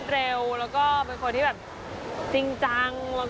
เรื่องนี้หักงงเยอะมาก